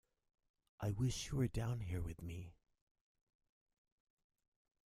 I wish you were down here with me!